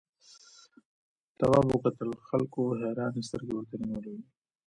تواب وکتل خلکو حیرانې سترګې ورته نیولې وې.